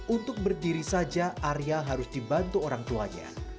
untuk berdiri saja arya harus dibantu orang tuanya